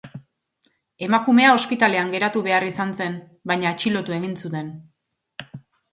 Emakumea ospitalean geratu behar izan zen, baina atxilotu egin zuten.